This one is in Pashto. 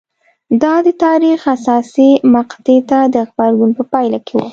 دا د تاریخ حساسې مقطعې ته د غبرګون په پایله کې وه